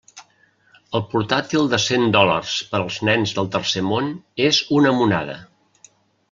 El portàtil de cent dòlars per als nens del tercer món és una monada.